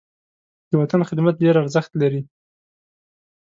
د وطن خدمت ډېر ارزښت لري.